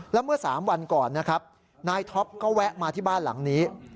แล้วเมื่อ๓วันก่อนนะครับนายท็อปก็แวะมาที่บ้านหลังนี้